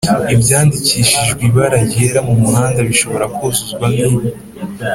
ibyandikishijeibara ryera mumuhanda bishobora kuzuzwa n’ki